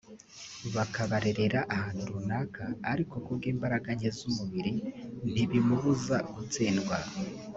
bakabarerera ahantu runaka ariko kubw’ imbaraga nke z’umubiri ntibimubuza gutsindwa